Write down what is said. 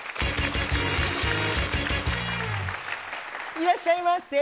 いらっしゃいませ。